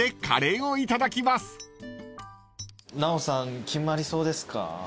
奈緒さん決まりそうですか？